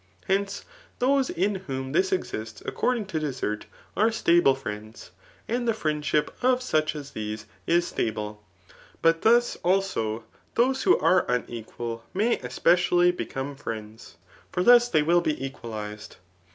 Hence, those in whom this exists according to desert, are stable friends, ^d the friendship of such as these is stablct But thus, also, those who are unequal may especially become friends ; for thus they will be equalized.